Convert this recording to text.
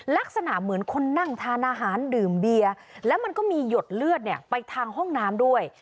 ลักษณะเหมือนคนนั่งทานอาหารดื่มเบียร์แล้วมันก็มีหยดเลือดเนี่ยไปทางห้องน้ำด้วย